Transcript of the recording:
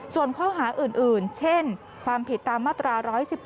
ส่วนข้อหาอื่นเช่นความผิดตามมาตรา๑๑๒